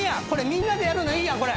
みんなでやるのいいやんこれ。